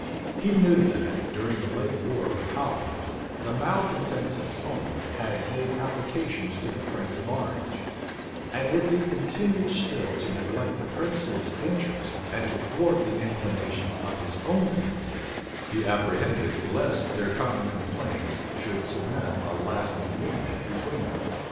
He knew that, during the late war with Holland, the malecontents at home had made applications to the prince of Orange; and if he continued still to neglect the prince's interests, and to thwart the inclinations of his own people, he apprehended lest their common complaints should cement a lasting union between them.